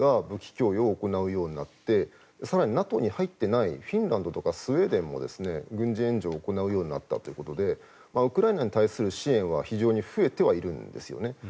武器供与を行うようになって更にＮＡＴＯに入っていないフィンランドとかスウェーデンも軍事援助を行うようになったということでウクライナに対する支援は非常に増えてはいるんですね。